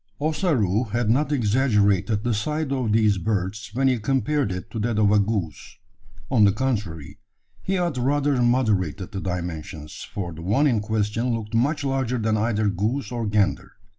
Ossaroo had not exaggerated the size of these birds when he compared it to that of a goose. On the contrary, he had rather moderated the dimensions: for the one in question looked much larger than either goose or gander.